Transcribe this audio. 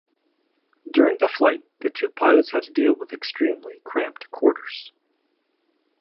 During the flight, the two pilots had to deal with extremely cramped quarters.